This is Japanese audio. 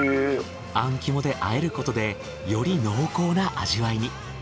あん肝で和えることでより濃厚な味わいに。